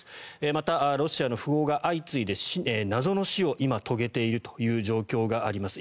また、ロシアの富豪が相次いで謎の死を今、遂げているという状況があります。